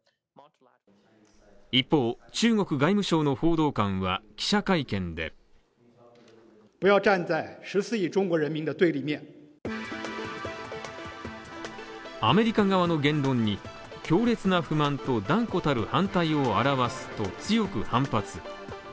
一方、中国外務省の報道官は記者会見でアメリカ側の言論に強烈な不満と断固たる反対を表すと強く反発。